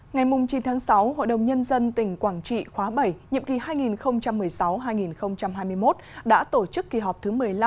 ngày chín tháng sáu hội đồng nhân dân tỉnh quảng trị khóa bảy nhiệm kỳ hai nghìn một mươi sáu hai nghìn hai mươi một đã tổ chức kỳ họp thứ một mươi năm